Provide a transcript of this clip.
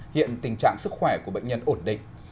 hiện tình trạng sức khỏe của bệnh nhân ổn định